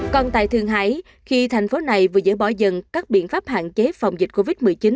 còn tại thường hái khi thành phố này vừa dỡ bỏ dần các biện pháp hạn chế phòng dịch covid một mươi chín